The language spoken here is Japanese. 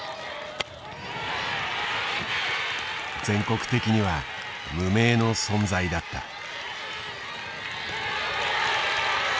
全国的には無名の存在だった。